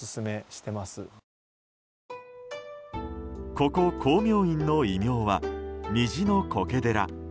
ここ、光明院の異名は虹の苔寺。